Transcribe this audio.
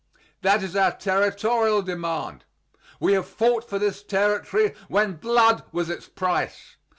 That is our Territorial demand. We have fought for this Territory when blood was its price.